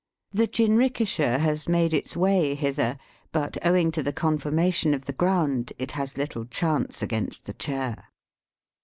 The jinrikisha has made its way hither, but, owing to the conformation of the ground, it has little chance against the chair.